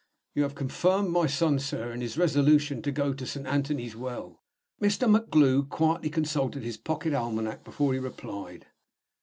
"You have confirmed my son, sir, in his resolution to go to Saint Anthony's Well." Mr. MacGlue quietly consulted his pocket almanac before he replied.